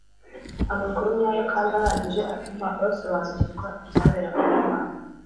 amakuru nyayo kandi ahagije atuma basobanukirwa ibyaberaga mu rwanda